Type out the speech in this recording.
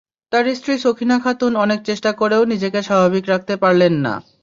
তাঁর স্ত্রী সখিনা খাতুন অনেক চেষ্টা করেও নিজেকে স্বাভাবিক রাখতে পারলেন না।